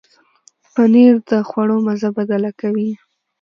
پنېر د خواړو مزه بدله کوي.